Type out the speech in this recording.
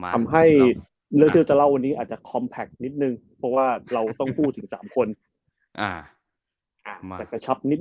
คะชับนิดหนึ่งครับ